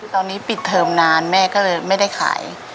ตอนนี้ปิดเทอมนานแม่ก็เลยไม่ได้ขาย